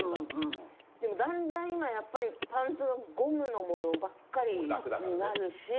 でもだんだん今やっぱりパンツはゴムのものばっかりになるし。